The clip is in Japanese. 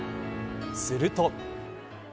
すると。